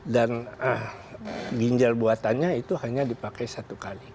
dan jinjal buatannya itu hanya dipakai satu kali